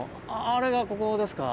あれがここですか？